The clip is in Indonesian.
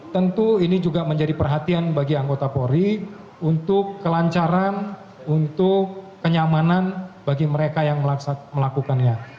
tentu ini juga menjadi perhatian bagi anggota polri untuk kelancaran untuk kenyamanan bagi mereka yang melakukannya